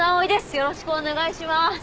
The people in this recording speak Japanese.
よろしくお願いします。